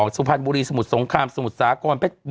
สุพรรณบุรีสมุทรสงครามสมุทรสาคร